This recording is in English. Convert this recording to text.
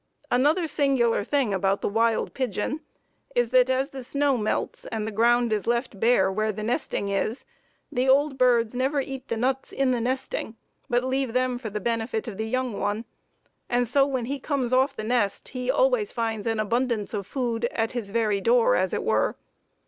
Another singular thing about the wild pigeon is that as the snow melts and the ground is left bare where the nesting is, the old birds never eat the nuts in the nesting, but leave them for the benefit of the young one, and so when he comes off the nest he always finds an abundance of food at his very door, as it were.